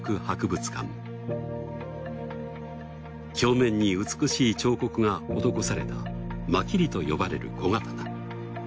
表面に美しい彫刻が施されたマキリと呼ばれる小刀。